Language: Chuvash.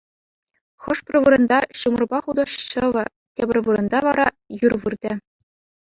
Хӑш-пӗр вырӑнта ҫумӑрпа хутӑш ҫӑвӗ, тепӗр вырӑнта вара юр выртӗ.